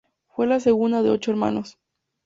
Fue la segunda de ocho hermanos.